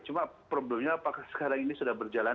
cuma problemnya apakah sekarang ini sudah berjalan